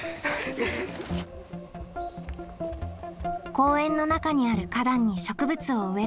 公園の中にある花壇に植物を植えるのが今日の作業。